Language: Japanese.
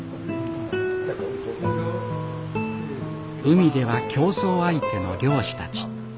海では競争相手の漁師たち。